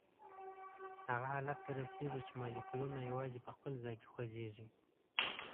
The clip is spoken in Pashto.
هغه حالت ته رسیږو چې مالیکولونه یوازي په خپل ځای کې خوځیږي.